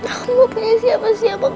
aku punya siapa siapa